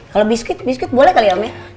kalau biskuit biskuit boleh kali om ya